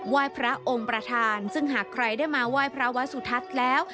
ไหว้พระองค์ประธานซึ่งหากใครได้มาไหว้พระวัสสุทัศน์แล้ว